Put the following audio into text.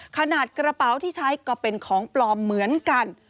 ขนาดกระเป๋าที่ใช้ก็เป็นของปลอมเหมือนกัน